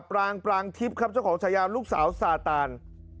ปรางปรางทิพย์ครับเจ้าของชายาลูกสาวซาตาน